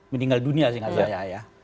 meninggal dunia sih